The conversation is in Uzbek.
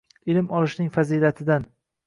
Ilm olishning fazilatidan